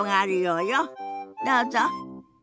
どうぞ。